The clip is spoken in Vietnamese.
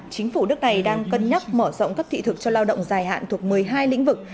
chính phủ nước này đang cân nhắc mở rộng cấp thị thực cho lao động dài hạn thuộc một mươi hai lĩnh vực